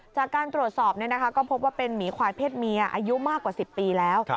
จากการตรวจสอบก็พบว่าเป็นหมีควายเพศเมียอายุมากกว่า๑๐ปีแล้ว